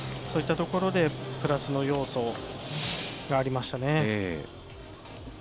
そういったところでプラスの要素がありましたね。